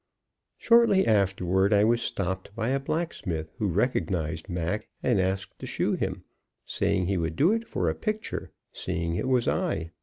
Shortly afterward, I was stopped by a blacksmith who recognized Mac and asked to shoe him, saying he would do it for a picture, seeing it was I.